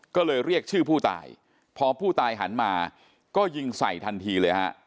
ก็เลยเรียกชื่อผู้ตายพอผู้ตายหันมาก็ยิงใส่ทันทีเลยฮะ